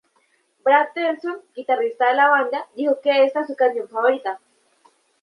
Brad Delson, guitarrista de la banda, dijo que esta es su canción favorita.